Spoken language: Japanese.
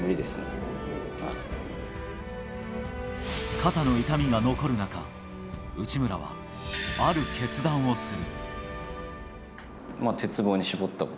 肩の痛みが残る中内村は、ある決断をする。